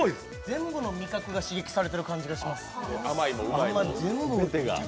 全部の味覚が刺激されてる気がします。